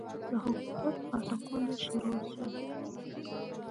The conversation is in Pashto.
د حکومت پاټکونه شروع سول.